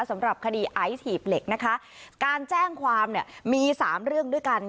สำหรับคดีไอซีบเหล็กนะคะการแจ้งความเนี่ยมีสามเรื่องด้วยกัน